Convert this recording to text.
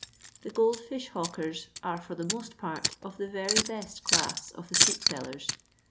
The gold fish hawkers are, for the most part, of the very best class of the street'Sellers.